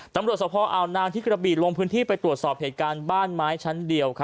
สะพออาวนางที่กระบีลงพื้นที่ไปตรวจสอบเหตุการณ์บ้านไม้ชั้นเดียว